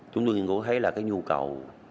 chúng tôi nghiên cứu thấy là cái nhu cầu